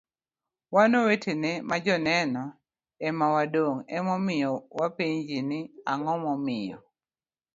wan oweteni majoneno ema wadong' ema omiyo wapenji ni ang'o momiyo